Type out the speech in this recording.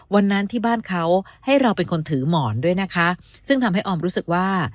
วันนั้นที่บ้านเขาให้เราเป็นคนถือหมอนด้วยนะคะซึ่งทำให้ออมรู้สึกว่า